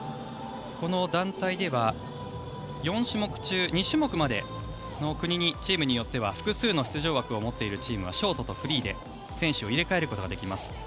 団体では４種目中２種目までチームによっては複数の出場枠を持っているチームはショートとフリーで選手を入れ替えることができます。